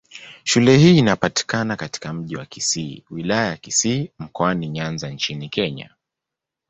Shule hii inapatikana katika Mji wa Kisii, Wilaya ya Kisii, Mkoani Nyanza nchini Kenya.